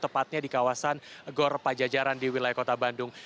tepatnya di kawasan gor pajajaran di wilayah kota bandung